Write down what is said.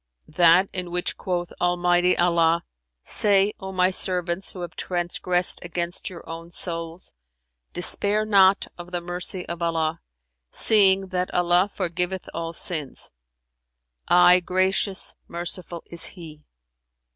"That in which quoth Almighty Allah, 'Say: O my servants who have transgressed against your own souls, despair not of the mercy of Allah; seeing, that Allah forgiveth all sins; aye Gracious, Merciful is He.'"